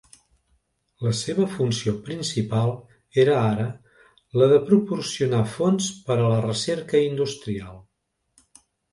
La seva funció principal era ara la de proporcionar fons per a la recerca industrial.